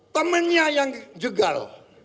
temennya yang jegal